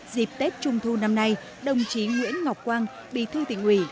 dịp tết trung thu năm nay đồng chí nguyễn ngọc quang bì thư tịnh uỷ